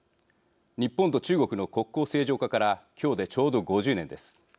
日本と中国の国交正常化から今日で、ちょうど５０年です。